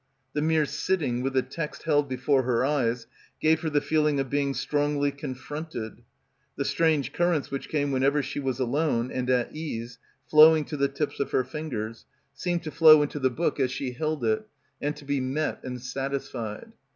The mere sitting with the text held before her eyes gave her the feeling of being strongly con fronted. The strange currents which came when ever she was alone and at ease flowing to the tips — 183 — PILGRIMAGE of her fingers, seemed to flow into the book as she held it and to be met and satisfied.